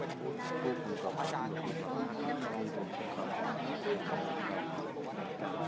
มีผู้ที่ได้รับบาดเจ็บและถูกนำตัวส่งโรงพยาบาลเป็นผู้หญิงวัยกลางคน